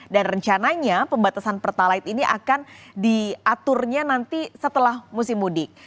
dan rencananya pembatasan pertalait ini akan diaturnya nanti setelah musim mudik